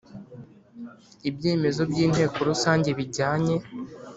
Ibyemezo by Inteko Rusange bijyanye